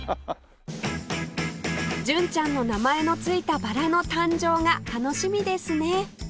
純ちゃんの名前の付いたバラの誕生が楽しみですね